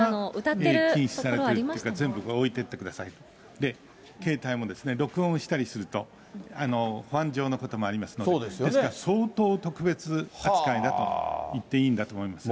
全部置いていってください、携帯も全部、録音したりすると、保安上のこともありますので、ですから、相当特別扱いだと言っていいんだと思います。